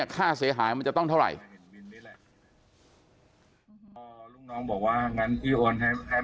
ค่าเสียหายมันจะต้องเท่าไหร่